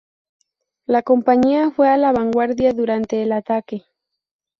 La compañía fue a la vanguardia durante el ataque.